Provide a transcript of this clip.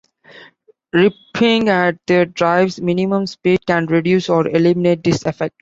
Ripping at the drive's minimum speed can reduce or eliminate this effect.